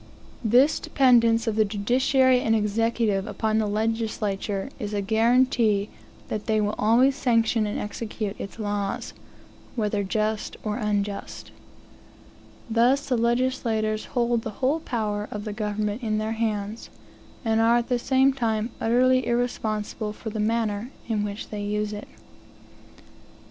This dependence of the judiciary and executive upon the legislature is a guaranty that they will always sanction and execute its laws, whether just or unjust. Thus the legislators hold the whole power of the government in their hands, and are at the same time utterly irresponsible for the manner in which they use it.